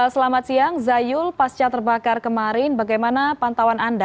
selamat siang zayul pasca terbakar kemarin bagaimana pantauan anda